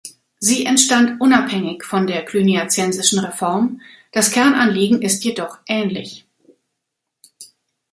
Sie entstand unabhängig von der Cluniazensischen Reform, das Kernanliegen ist jedoch ähnlich.